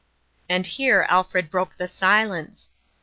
And here Alfred broke his silence.